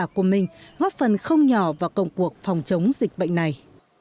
hiệu quả của mình góp phần không nhỏ vào công cuộc phòng chống dịch bệnh này